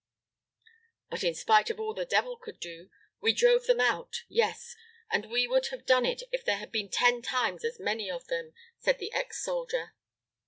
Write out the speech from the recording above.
"But, in spite of all the devil could do, we drove them out; yes, and we would have done it if there had been ten times as many of them!" said the ex soldier.